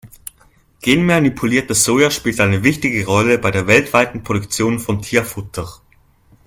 Genmanipuliertes Soja spielt eine wichtige Rolle bei der weltweiten Produktion von Tierfutter.